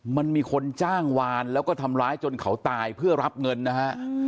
มันมีคนจ้างวานแล้วก็ทำร้ายจนเขาตายเพื่อรับเงินนะฮะ